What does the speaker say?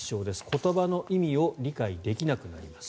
言葉の意味を理解できなくなります。